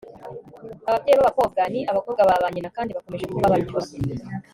ababyeyi b'abakobwa ni abakobwa ba ba nyina kandi bakomeje kuba batyo